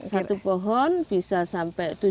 satu pohon bisa sampai tujuh sepuluh tahun